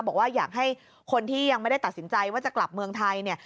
บอกว่าอยากให้คนที่ยังไม่ได้ตัดสินใจว่าจะกลับเมืองไทยเนี่ย